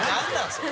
それ。